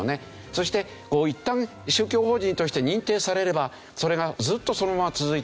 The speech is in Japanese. そしていったん宗教法人として認定されればそれがずっとそのまま続いてしまう。